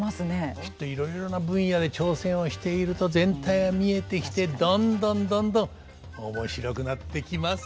きっといろいろな分野で挑戦をしていると全体が見えてきてどんどんどんどん面白くなってきますよ。